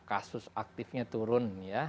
kasus aktifnya turun